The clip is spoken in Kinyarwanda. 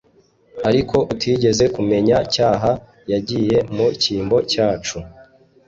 Ariko utigeze kumenya cyaha yagiye mu cyimbo cyacu.